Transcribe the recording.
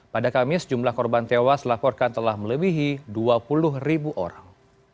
pada kamis jumlah korban tewas dilaporkan telah melebihi dua puluh ribu orang